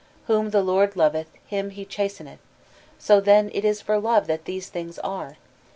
'Whom the Lord loveth, him he chasteneth'; so then it is for love that these things are.